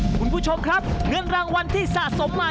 คุณผู้ชมครับเงินรางวัลที่สะสมมา